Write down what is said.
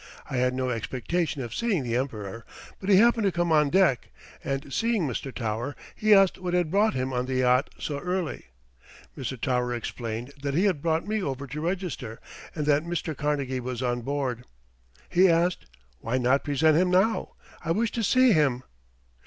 I had no expectation of seeing the Emperor, but he happened to come on deck, and seeing Mr. Tower he asked what had brought him on the yacht so early. Mr. Tower explained he had brought me over to register, and that Mr. Carnegie was on board. He asked: "Why not present him now? I wish to see him."